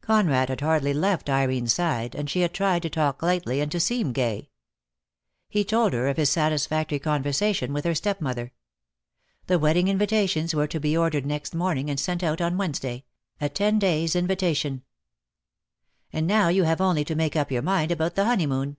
Conrad had hardly left Irene's side, and she had tried to talk lightly and to seem gay. He told her of his satisfactory conversation with her stepmother. The wedding invitations were to be ordered next morn DEAD LOVE HAS CHAINS. 24 I ing, and sent out on Wednesday — a ten days' in vitation. "And now you have only to make up your mind about the honeymoon.